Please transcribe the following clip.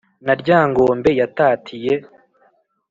na ryangombe yatatiye,